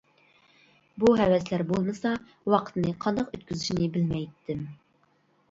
بۇ ھەۋەسلەر بولمىسا ۋاقىتنى قانداق ئۆتكۈزۈشنى بىلمەيتتىم.